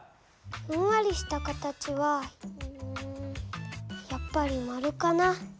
ふんわりした形はうんやっぱり丸かな。